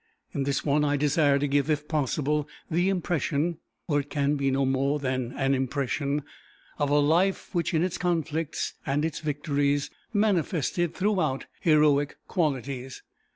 In this one I desire to give if possible the impression, for it can be no more than an impression, of a life which in its conflicts and its victories manifested throughout heroic qualities.